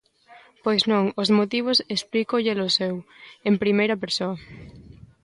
Pois non, os motivos explícollelos eu en primeira persoa.